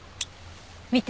見て。